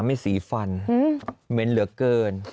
ไม่สีฟันเหม็นเหลือเกิน